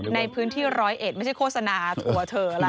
ในพื้นที่ร้อยเอ็ดไม่ใช่โฆษณาตัวเธอล่ะ